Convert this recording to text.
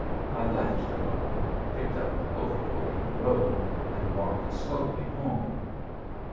I left the garden, picked up my overcoat in the road, and walked slowly home.